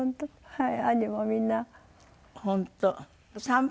はい。